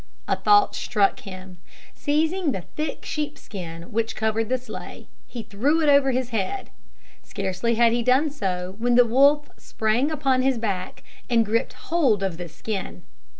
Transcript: A thought struck him. Seizing the thick sheep skin which covered the sleigh, he threw it over his head. Scarcely had he done so when the wolf sprang upon his back, and gripped hold of the skin.